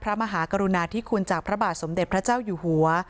มหากรุณาธิคุณจากพระบาทสมเด็จพระเจ้าอยู่หัว